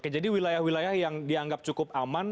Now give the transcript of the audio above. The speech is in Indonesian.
jadi wilayah wilayah yang dianggap cukup aman